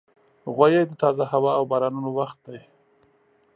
غویی د تازه هوا او بارانونو وخت دی.